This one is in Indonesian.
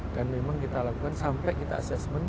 dan memang kita lakukan sampai kita assessment